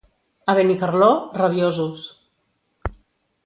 A Benicarló, rabiosos.